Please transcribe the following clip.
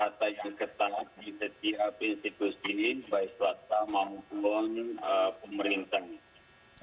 atau yang ketahui setiap institusi baik swasta maupun pemerintah